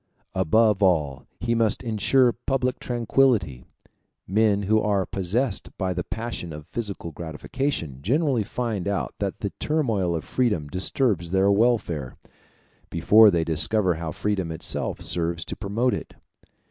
Above all he must insure public tranquillity: men who are possessed by the passion of physical gratification generally find out that the turmoil of freedom disturbs their welfare, before they discover how freedom itself serves to promote it.